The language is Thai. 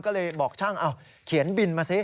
ก็เลยบอกช่างเอาเขียนบินมาสิ